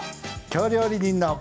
「京料理人の」！